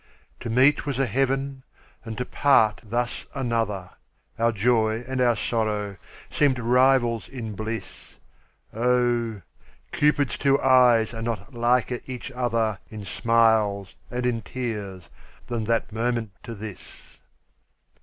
To meet was a heaven and to part thus another, Our joy and our sorrow seemed rivals in bliss; Oh! Cupid's two eyes are not liker each other In smiles and in tears than that moment to this.